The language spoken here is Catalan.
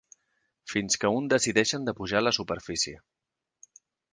Fins que un decideixen de pujar a la superfície.